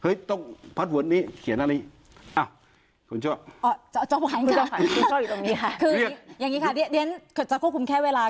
คืออย่างนี้ค่ะเรียนจะควบคุมแค่เวลา